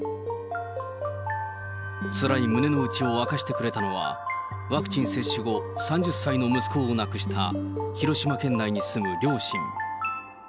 つらい胸の内を明かしてくれたのは、ワクチン接種後、３０歳の息子を亡くした、広島県内に住む両親。